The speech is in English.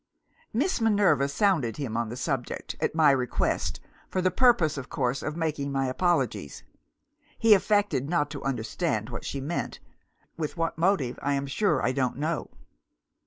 Miss Minerva sounded him on the subject, at my request, for the purpose of course of making my apologies. He affected not to understand what she meant with what motive I am sure I don't know.